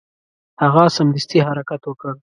هغه سمدستي حرکت وکړ.